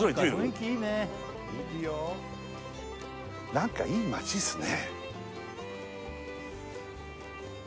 何かいい街っすね